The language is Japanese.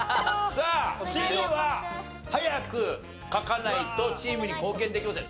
さあ次は早く書かないとチームに貢献できません。